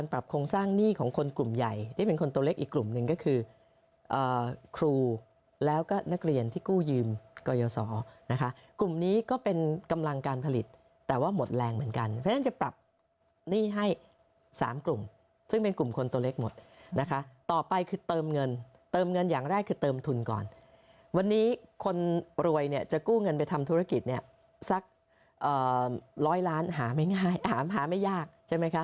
ร้อยล้านหาไม่ง่ายหาไม่ยากใช่ไหมครับ